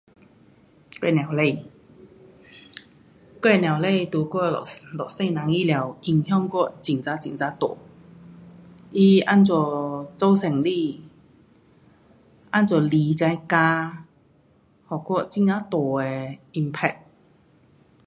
我母亲，我母亲在我一世人以内印象我很呐很呐大，她这样做生意，怎样理这家，给我很呀大的 impact